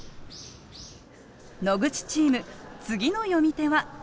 野口チーム次の詠み手はこの人。